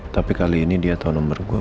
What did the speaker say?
tapi kali ini dia tau nomor gue